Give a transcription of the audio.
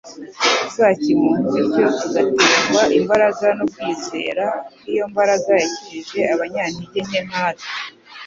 za kimuntu bityo tugaterwa imbaraga no kwizera kw'iyo mbaraga yakijije abanyantege nke nkatwe,